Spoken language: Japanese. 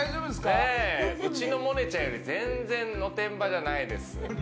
うちのモネちゃんより全然、おてんばじゃないです。